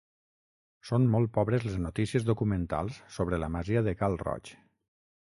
Són molt pobres les notícies documentals sobre la masia de Cal Roig.